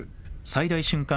最大瞬間